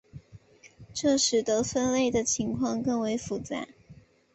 这使得分类的情况更为复杂。